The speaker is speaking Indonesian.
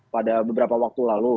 pada beberapa waktu lalu